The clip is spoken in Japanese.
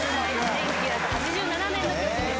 １９８７年の曲です。